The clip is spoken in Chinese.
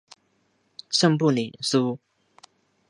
圣布里苏什是葡萄牙贝雅区的一个堂区。